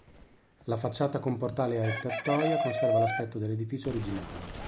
La facciata con portale e tettoia conserva l'aspetto dell'edificio originale.